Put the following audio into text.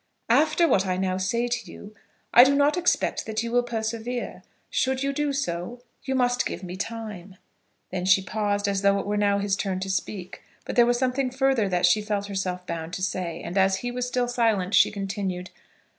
After what I now say to you, I do not expect that you will persevere. Should you do so, you must give me time." Then she paused, as though it were now his turn to speak; but there was something further that she felt herself bound to say, and, as he was still silent, she continued.